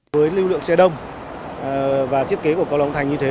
với lưu lượng xe đông và thiết kế của cầu long thành như thế